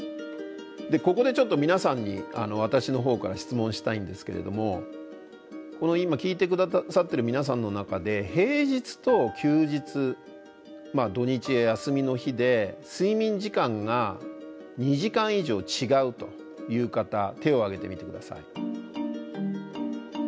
ここでちょっと皆さんに私のほうから質問したいんですけれども今聞いて下さってる皆さんの中で平日と休日土日や休みの日で睡眠時間が２時間以上違うという方手を挙げてみて下さい。